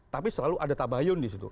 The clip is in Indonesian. tapi selalu ada tabayun di situ